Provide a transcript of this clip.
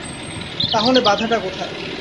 তা হলে বাধাটা কোথায়।